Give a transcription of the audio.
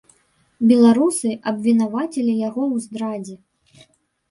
Беларусы абвінавацілі яго ў здрадзе.